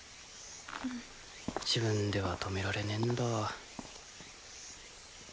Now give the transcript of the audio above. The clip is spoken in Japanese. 自分では止められねえんだわ。